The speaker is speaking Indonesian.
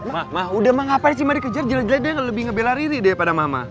ma ma udah ma ngapain sih ma dikejar jelajahnya lebih ngebelariri daripada mama